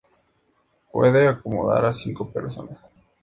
Puede acomodar a cinco personas.